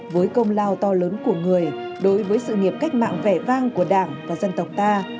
với công lao to lớn của người đối với sự nghiệp cách mạng vẻ vang của đảng và dân tộc ta